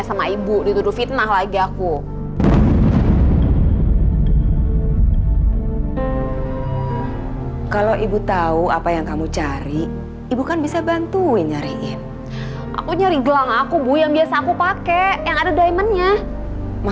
sampai jumpa di video selanjutnya